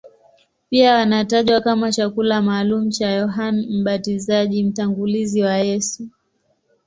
Pia wanatajwa kama chakula maalumu cha Yohane Mbatizaji, mtangulizi wa Yesu.